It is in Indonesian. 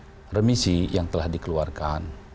ada remisi yang telah dikeluarkan